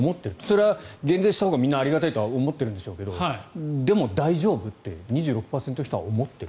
それは減税したほうがみんなありがたいと思ってるんでしょうけどでも大丈夫？って２６％の人は思っている。